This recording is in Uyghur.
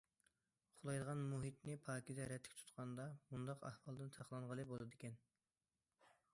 ئۇخلايدىغان مۇھىتنى پاكىز، رەتلىك تۇتقاندا بۇنداق ئەھۋالدىن ساقلانغىلى بولىدىكەن.